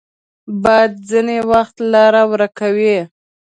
باد ځینې وخت لاره ورکوي